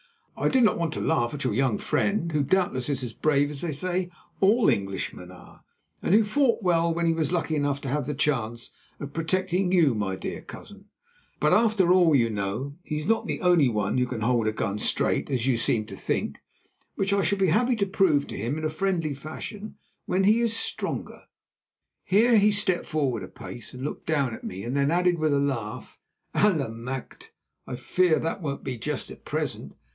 "I did not want to laugh at your young friend, who doubtless is as brave as they say all Englishmen are, and who fought well when he was lucky enough to have the chance of protecting you, my dear cousin. But after all, you know, he is not the only one who can hold a gun straight, as you seem to think, which I shall be happy to prove to him in a friendly fashion when he is stronger." Here he stepped forward a pace and looked down at me, then added with a laugh, "Allemachte! I fear that won't be just at present.